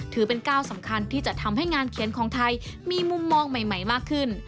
ถือเป็นก้าวสำคัญที่จะทำให้งานเขียนของไทยมีมุมมองใหม่มากขึ้น